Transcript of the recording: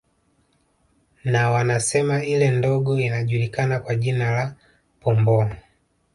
Na wanasema ile ndogo inajulikana kwa jina la Pomboo